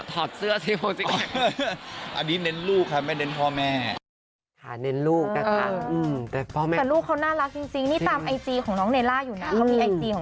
ถ้าคุณพ่อจะเน้นลูกคุณพ่อถอดเสื้อซิโอ้สิ่งแบบนี้